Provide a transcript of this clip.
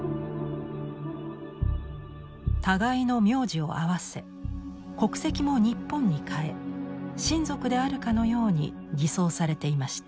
互いの名字を合わせ国籍も日本に変え親族であるかのように偽装されていました。